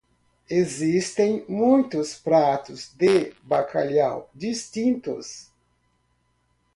Existem muitos pratos de bacalhau distintos.